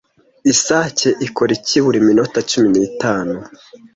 Isake ikora iki buri minota cumi n'itanu